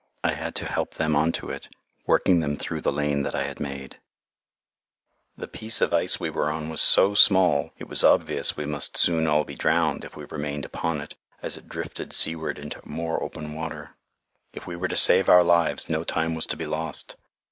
I had to help them on to it, working them through the lane that I had made. [Illustration: PART OF DR. GRENFELL'S TEAM] The piece of ice we were on was so small it was obvious we must soon all be drowned, if we remained upon it as it drifted seaward into more open water. If we were to save our lives, no time was to be lost.